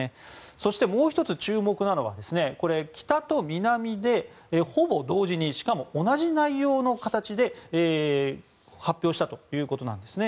そして、もう１つ注目なのは北と南でほぼ同時にしかも同じ内容の形で発表したということなんですね。